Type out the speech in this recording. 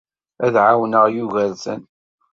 Ad ɛawneɣ Yugurten.